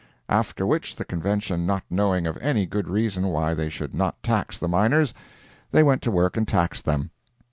After which, the Convention not knowing of any good reason why they should not tax the miners, they went to work and taxed them.